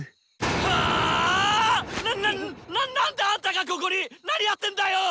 ハァッ⁉ななん何であんたがここに⁉何やってんだよ！